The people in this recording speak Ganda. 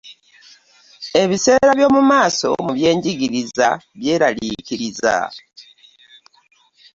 Ebiseera eby'omu maaso mu by'enjigiriza by'eraliikiriza.